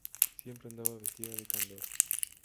Siempre andaba vestida de candor.